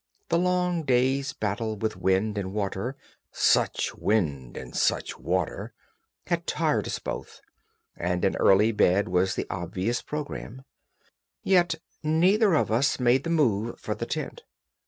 The long day's battle with wind and water—such wind and such water!—had tired us both, and an early bed was the obvious program. Yet neither of us made the move for the tent.